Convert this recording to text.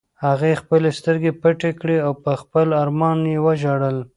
هغې خپلې سترګې پټې کړې او په خپل ارمان یې وژړل.